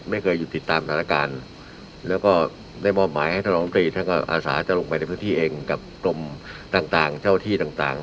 ไม่เคยหยุดติดตามศาลการณ์แล้วก็ได้มอบหมายให้ธรรมดีทั้งกับอาสาทจะลงไปในพื้นที่เองกับกรมต่างต่างเจ้าที่ต่างต่าง